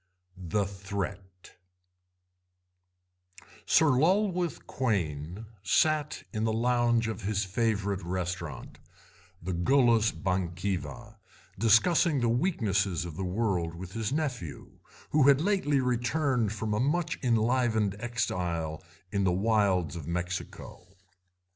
THE THREAT Sir Lulworth Quayne sat in the lounge of his favourite restaurant, the Gallus Bankiva, discussing the weaknesses of the world with his nephew, who had lately returned from a much enlivened exile in the wilds of Mexico.